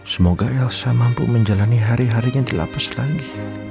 semoga elsa mampu menjalani hari harinya di lapus lagi